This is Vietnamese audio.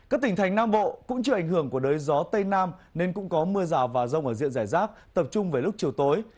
các tỉnh thành nam bộ cũng chịu ảnh hưởng của đới gió tây nam nên cũng có mưa rào và rông ở diện giải rác tập trung về lúc chiều tối